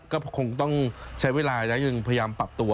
ก็คงต้องใช้เวลาและยังพยายามปรับตัว